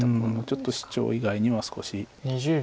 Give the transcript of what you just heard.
ちょっとシチョウ以外には少し。